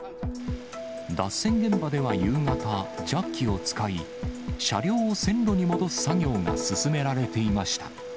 脱線現場では夕方、ジャッキを使い、車両を線路に戻す作業が進められていました。